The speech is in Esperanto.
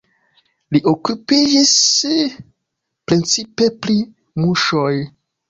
Li okupiĝis precipe pri muŝoj.